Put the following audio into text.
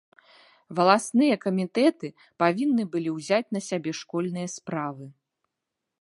Валасныя камітэты павінны былі ўзяць на сябе школьныя справы.